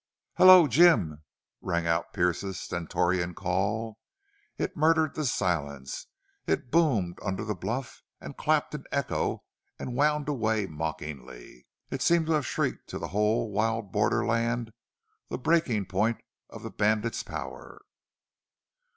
"HALLO, JIM!" rang out Pearce's stentorian call. It murdered the silence. It boomed under the bluff, and clapped in echo, and wound away, mockingly. It seemed to have shrieked to the whole wild borderland the breaking point of the bandit's power.